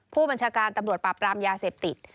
ผู้บัญชาการตำรวจปราบปรามยาเสพติด